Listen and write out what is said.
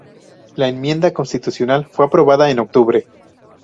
La enmienda constitucional fue aprobada en octubre.